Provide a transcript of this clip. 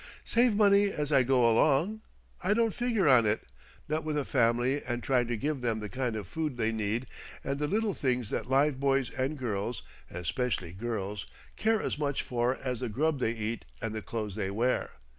"Save money as I go along? I don't figure on it not with a family and trying to give them the kind of food they need and the little things that live boys and girls especially girls care as much for as the grub they eat and the clothes they wear.